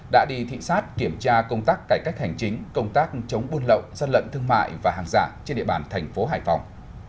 đã đi thị xát kiểm tra công tác cải cách hành chính công tác chống buôn lậu dân lận thương mại và hàng giả trên địa bàn thành phố hải phòng